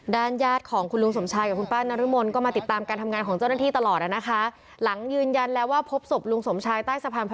ด้านญาติของคุณลุงสมชายกับคุณป้านรุมน